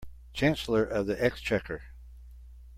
Chancellor of the Exchequer